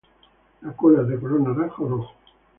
La cola es de color naranja o rojo.